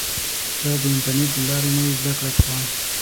زه د انټرنیټ له لارې نوې زده کړه کوم.